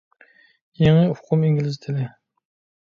يېڭى ئۇقۇم ئىنگلىز تىلى.